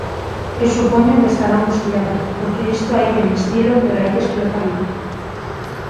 Eu supoño que estará angustiado, porque isto hai que investilo pero hai que explotalo.